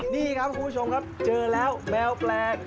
นี่ครับคุณผู้ชมครับเจอแล้วแมวแปลก